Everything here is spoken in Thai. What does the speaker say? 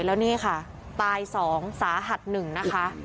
แล้วนี่ค่ะตาย๒สาหัส๑นะคะ